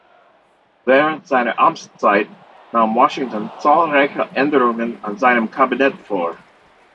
Während seiner Amtszeit nahm Washington zahlreiche Änderungen an seinem Kabinett vor.